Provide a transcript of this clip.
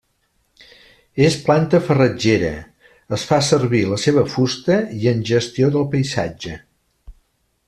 És planta farratgera, es fa servir la seva fusta i en gestió del paisatge.